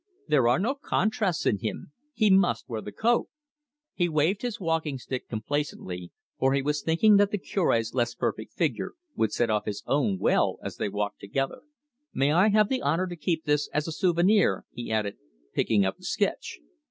There are no contrasts in him. He must wear the coat." He waved his walking stick complacently, for he was thinking that the Cure's less perfect figure would set off his own well as they walked together. "May I have the honour to keep this as a souvenir?" he added, picking up the sketch.